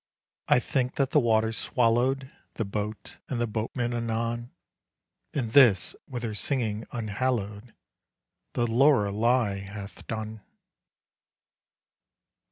I think that the waters swallowed The boat and the boatman anon. And this, with her singing unhallowed, The Lorelei hath done.